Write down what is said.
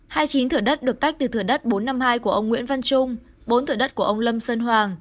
hai mươi chín thửa đất được tách từ thửa đất bốn trăm năm mươi hai của ông nguyễn văn trung bốn thửa đất của ông lâm sơn hoàng